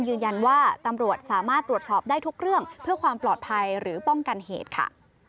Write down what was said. ยืนยันว่าตำรวจสามารถตรวจสอบได้ทุกเรื่องเพื่อความปลอดภัยหรือป้องกันเหตุค่ะ